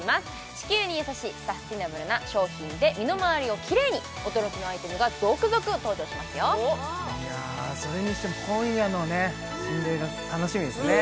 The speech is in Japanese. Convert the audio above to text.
地球に優しいサステナブルな商品で身の回りをキレイに驚きのアイテムが続々登場しますよいやそれにしても今夜のね心霊が楽しみですね